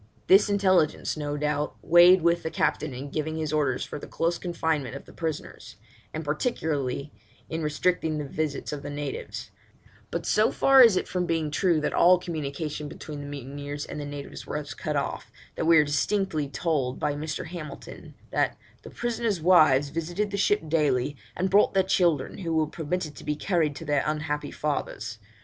This intelligence, no doubt, weighed with the Captain in giving his orders for the close confinement of the prisoners; and particularly in restricting the visits of the natives; but so far is it from being true that all communication between the mutineers and the natives was cut off, that we are distinctly told by Mr. Hamilton, that 'the prisoners' wives visited the ship daily, and brought their children, who were permitted to be carried to their unhappy fathers.